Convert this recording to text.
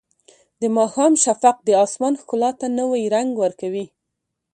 د ماښام شفق د اسمان ښکلا ته نوی رنګ ورکوي.